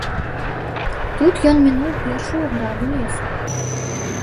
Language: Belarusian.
Тут ён мінуў першую граду лесу.